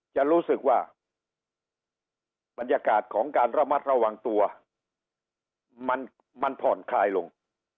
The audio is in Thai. จะรู้สึกว่าบรรยากาศของการระมัดระวังตัวมันผ่อนคลายลง